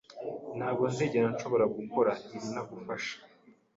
Ntabwo nzigera nshobora gukora ibi ntagufasha.